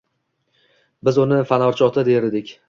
Biz uni Fanorchi ota, der edik